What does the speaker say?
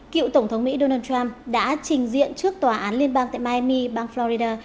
cựu tổng thống mỹ donald trump đã trình diện trước tòa án liên bang tại miami bang florida